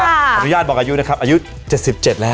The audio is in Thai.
ขออนุญาตบอกอายุนะครับอายุ๗๗แล้ว